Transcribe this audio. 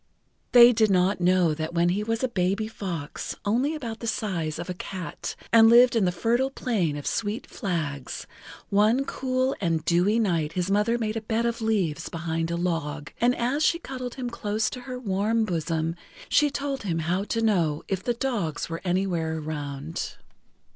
They did not know that when he was a baby fox, only about the size of a cat, and lived in the Fertile Plain of Sweet Flags, one cool and dewy night his mother made a bed of leaves behind a log, and as she cuddled him close to her warm bosom she told him how to know if the dogs were anywhere around.